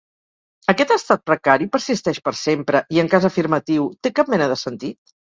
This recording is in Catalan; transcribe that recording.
Aquest estat precari persisteix per sempre i, en cas afirmatiu, té cap mena de sentit?